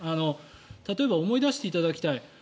例えば思い出していただきたい。